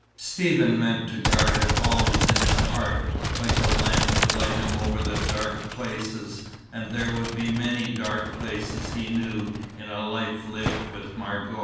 Stephen meant to guard it always in his heart, like a lamp to light him over the dark places; and there would be many dark places he knew in a life lived with Margot.